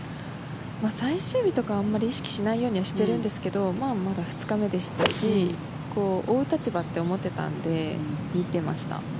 最終日とかはあまり意識しないようにしているんですがまだ２日目でしたし追う立場だと思って見ていたので見てました。